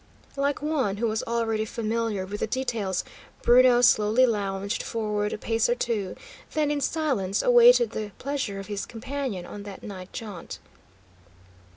Like one who was already familiar with the details, Bruno slowly lounged forward a pace or two, then in silence awaited the pleasure of his companion on that night jaunt.